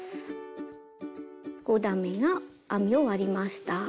５段めが編み終わりました。